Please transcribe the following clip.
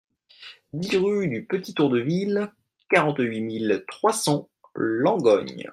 dix rue du Petit Tour de Ville, quarante-huit mille trois cents Langogne